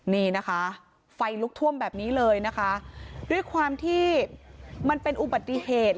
นี่นะคะไฟลุกท่วมแบบนี้เลยนะคะด้วยความที่มันเป็นอุบัติเหตุ